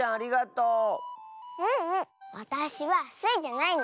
ううん。わたしはスイじゃないの。